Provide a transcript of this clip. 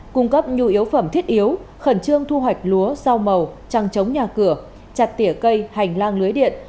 cung cấp nhu yếu phẩm thiết yếu khẩn trương thu hoạch lúa rau màu trăng chống nhà cửa chặt tỉa cây hành lang lưới điện